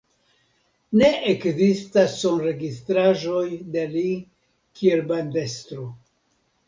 Ne ekzistas sonregistraĵoj de li kiel bandestro.